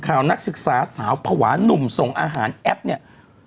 นักศึกษาสาวภาวะนุ่มส่งอาหารแอปเนี่ย